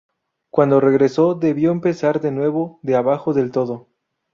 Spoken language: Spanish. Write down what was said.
Cuando regresó debió empezar de nuevo de abajo del todo.